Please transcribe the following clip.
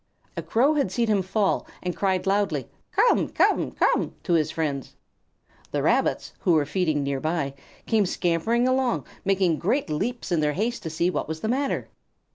A Crow had seen him fall, and cried loudly, "Come! Come! Come!" to his friends. The Rabbits, who were feeding near by, came scampering along, making great leaps in their haste to see what was the matter.